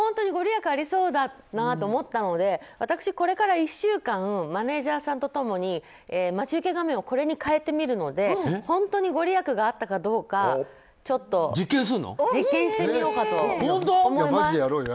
ご利益がありそうだなと思ったので、私これから１週間マネジャーさんと共に待ち受け画面をこれに変えてみるので本当にご利益があったかどうか実験してみようかなと思います。